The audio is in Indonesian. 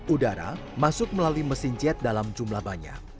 udara masuk melalui mesin jet dalam jumlah banyak